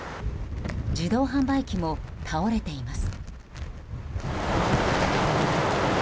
自動販売機も倒れています。